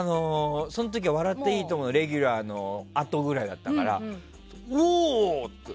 その時は「笑っていいとも！」のレギュラーのあとぐらいだったからおー！って。